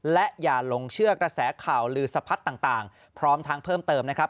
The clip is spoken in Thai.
และอย่าหลงเชื่อกระแสข่าวลือสะพัดต่างพร้อมทางเพิ่มเติมนะครับ